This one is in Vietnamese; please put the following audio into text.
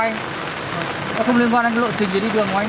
nó không liên quan anh lộ trình để đi đường của anh